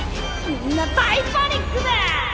みんな大パニックだ！